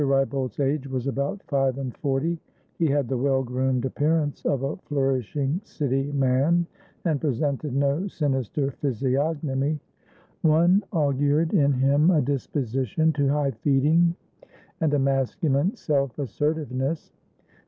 Wrybolt's age was about five and forty; he had the well groomed appearance of a flourishing City man, and presented no sinister physiognomy; one augured in him a disposition to high feeding and a masculine self assertiveness.